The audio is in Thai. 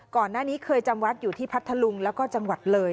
ก่อนหน้านี้เคยจำวัดอยู่ที่พัทธลุงแล้วก็จังหวัดเลย